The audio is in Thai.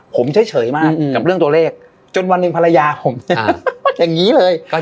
ผมเฉยมากกับเรื่องตัวเลขจนวันหนึ่งภรรยาผมเนี่ยอย่างนี้เลย